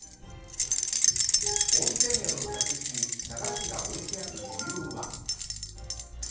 温泉宿の客室に茶菓子が置いてある理由は。